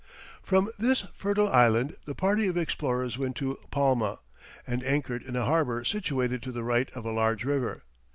From this fertile island the party of explorers went to Palma, and anchored in a harbour situated to the right of a large river.